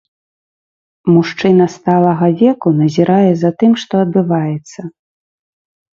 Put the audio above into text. Мужчына сталага веку назірае за тым, што адбываецца.